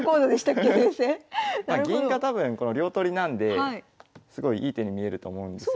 銀が多分この両取りなんですごいいい手に見えるとそうですよね。